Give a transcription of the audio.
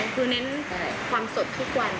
คือเน้นความสดทุกวัน